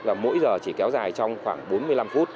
và mỗi giờ chỉ kéo dài trong khoảng bốn mươi năm phút